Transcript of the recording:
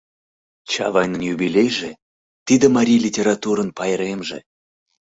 Чавайнын юбилейже — тиде марий литературын пайремже.